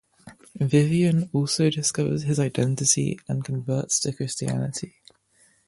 Vivien also discovers his identity and converts to Christianity.